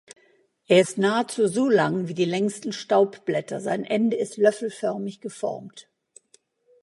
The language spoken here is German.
Er ist nahezu so lang wie die längsten Staubblätter, sein Ende ist löffelförmig geformt.